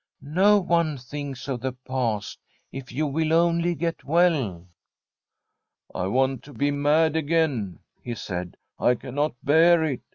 No one Uiinks of the past, if you will only get well.' ' I want to be mad again/ he said. ' I cannot bear it.